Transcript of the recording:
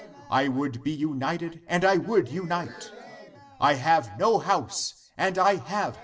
I would be united, and I would unite. Amen. I have no house, and I have houses.